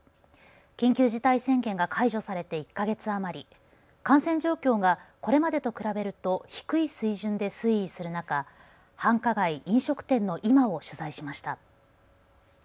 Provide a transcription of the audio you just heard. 緊急事態宣言が解除されて１か月余り、感染状況がこれまでと比べると低い水準で推移する中、繁華街、飲食店の今を取材しました。